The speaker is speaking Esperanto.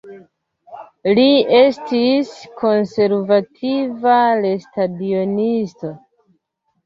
Li estis konservativa lestadionisto.